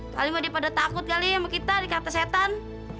kalimu ada pada takut kali ya sama kita dikata setan